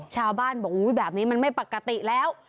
ชาวบ้านบอกอุ๊ยแบบนี้มันไม่ปกติแล้ว